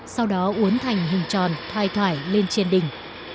sau đó uốn thành hình tròn thoai thoải lên trên đỉnh